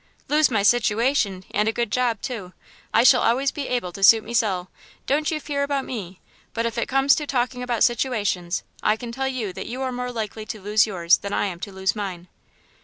"Lose my situation! and a good job, too. I shall always be able to suit mesel'; don't you fear about me. But if it comes to talking about situations, I can tell you that you are more likely to lose yours than I am to lose mine."